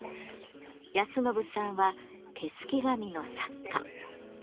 泰宣さんは手すき紙の作家。